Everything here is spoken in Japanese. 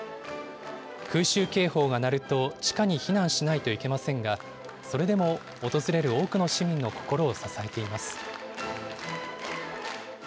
空襲警報が鳴ると、地下に避難しないといけませんが、それでも訪れる多くの市民の心を支えています。